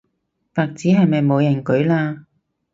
白紙係咪冇人舉嘞